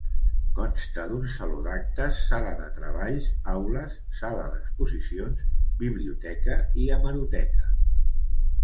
Consta d'un Saló d'Actes, sala de treballs, aules, sala d'exposicions, biblioteca i hemeroteca.